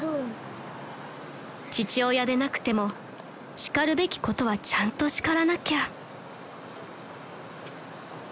［父親でなくても叱るべきことはちゃんと叱らなきゃ］